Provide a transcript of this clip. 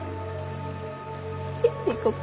行こっか。